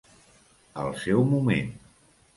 Al seu moment.